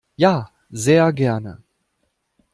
Ja, sehr gerne.